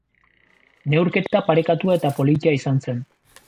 Neurketa parekatua eta polita izan zen.